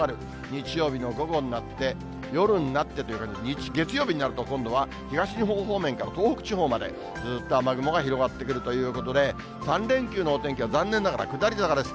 日曜日の午後になって、夜になって、日、月曜日になると、今度は東日本方面から東北地方まで、ずっと雨雲が広がってくるということで、３連休のお天気は残念ながら下り坂です。